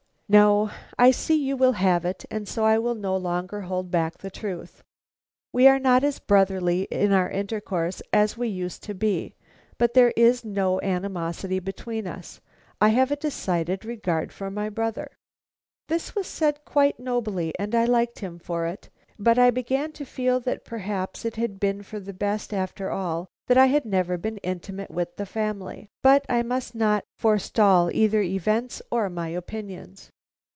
"No. I see you will have it, and so I will no longer hold back the truth. We are not as brotherly in our intercourse as we used to be; but there is no animosity between us. I have a decided regard for my brother." This was said quite nobly, and I liked him for it, but I began to feel that perhaps it had been for the best after all that I had never been intimate with the family. But I must not forestall either events or my opinions.